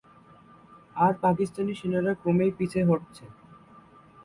আর পাকিস্তানি সেনারা ক্রমেই পিছে হটছে।